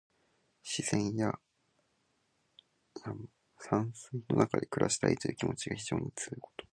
自然や山水の中で暮らしたいという気持ちが非常に強いこと。